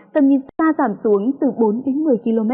tầm nhìn xa giảm xuống từ bốn đến một mươi km